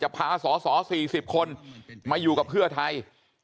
พาสอสอ๔๐คนมาอยู่กับเพื่อไทย